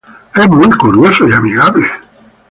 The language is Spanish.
Es muy curioso y amigable.